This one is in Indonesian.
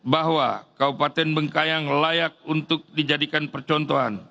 bahwa kabupaten bengkayang layak untuk dijadikan percontohan